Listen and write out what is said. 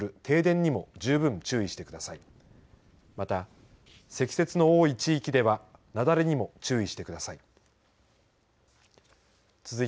また、積雪の多い地域では雪崩にも注意してください。